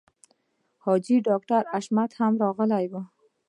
حاجي ډاکټر حکمت هم راغلی و.